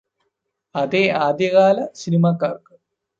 അതെ ആദ്യകാല സിനിമാക്കാര്ക്ക്